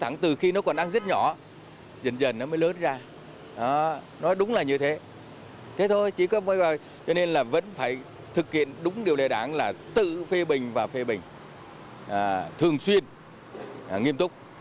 thế thôi cho nên là vẫn phải thực hiện đúng điều đề đảng là tự phê bình và phê bình thường xuyên nghiêm túc